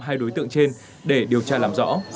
hai đối tượng trên để điều tra làm rõ